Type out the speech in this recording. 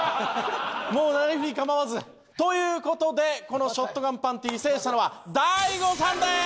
もうなりふり構わず。という事でこのショットガンパンティ制したのは大悟さんです！